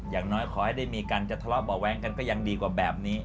อย่างน้อยยังก็ขอให้มีกันทะเลาะบ่หวงแหวงก็ยังดีกว่าแบบนี้